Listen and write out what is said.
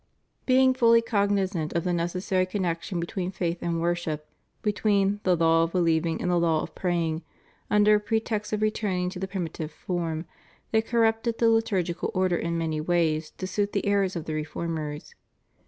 Being fully cognizant of the necessary connection between faith and worship, between "the law of believing and the law of praying," under a pretext of returning to the primitive form, they corrupted the Htur gical order in many ways to suit the errors of the re formers.